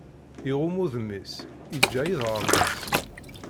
Iɣumm udem-is, iǧǧa iḍaṛṛen is.